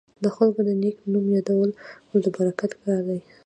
د خلکو د نیک نوم یادول د برکت کار دی.